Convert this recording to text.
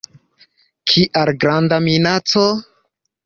Kial granda minaco?